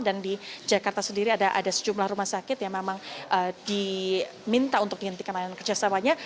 dan di jakarta sendiri ada sejumlah rumah sakit yang memang diminta untuk dihentikan layanan kerjasamanya